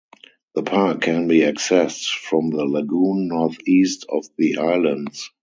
The park can be accessed from the lagoon northeast of the islands.